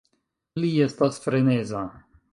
Li estas freneza